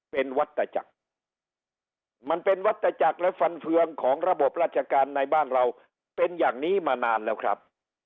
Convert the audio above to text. เป็นวัตตจักรมันเป็นวัตจักรและฟันเฟืองของระบบราชการในบ้านเราเป็นอย่างนี้มานานแล้วครับ